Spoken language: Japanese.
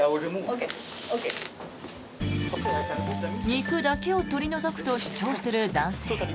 肉だけを取り除くと主張する男性。